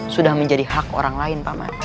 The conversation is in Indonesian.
sudah menjadi hak orang lain paman